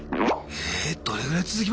ええどれぐらい続きました？